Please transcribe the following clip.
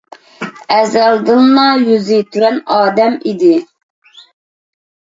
ئەزەلدىنلا يۈزى تۆۋەن ئادەم ئىدى.